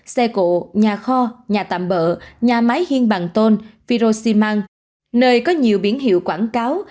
xe cụ nhà kho nhà tạm bỡ nhà máy hiên bằng tôn phi rô xi măng nơi có nhiều biển hiệu quảng cáo